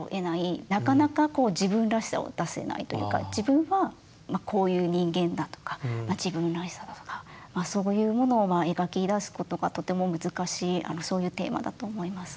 なかなか自分らしさを出せないというか自分はこういう人間だとか自分らしさだとかそういうものを描き出すことがとても難しいそういうテーマだと思います。